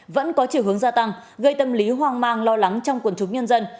vẫn có chiều hướng gia tăng gây tâm lý hoang mang lo lắng trong quần chúng nhân dân